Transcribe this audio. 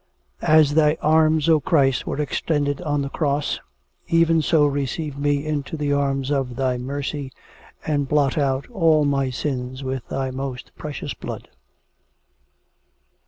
" As Thy arms, O Christ, were extended on the Cross ; even so receive me into the arms of Thy mercy, and blot out all my sins with Thy most precious Blood."